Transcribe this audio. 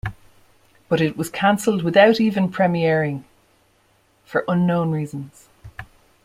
But it was canceled without even premiering, for unknown reasons.